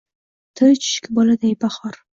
Tili chuchuk boladay bahor